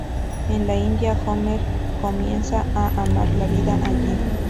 En la India, Homer comienza a amar la vida allí.